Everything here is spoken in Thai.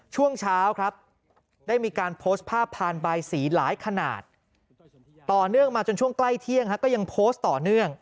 ช่วงเช้าครับได้มีการโพสต์ภาพพานบายสีหลายขนาดต่อเนื่องมาจนช่วงใกล้เที่ยงก็ยังโพสต์ต่อเนื่อง